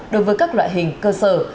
đối với các loại hình cơ sở